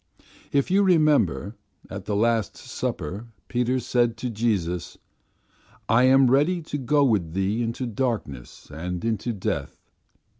"If you remember at the Last Supper Peter said to Jesus, 'I am ready to go with Thee into darkness and unto death.